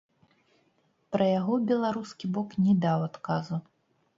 Пра яго беларускі бок не даў адказу.